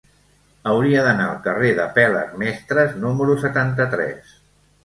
Hauria d'anar al carrer d'Apel·les Mestres número setanta-tres.